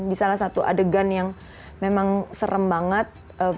di salah satu adegan yang memang serem banget